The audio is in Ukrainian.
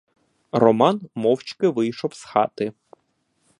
Роман мовчки вийшов з хати.